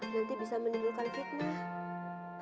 nanti bisa menimbulkan fitnah